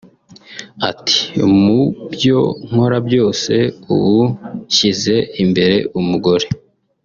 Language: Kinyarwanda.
Ati “Mu byo nkora byose ubu nshyize imbere umugore